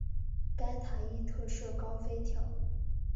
该塔亦特设高飞跳。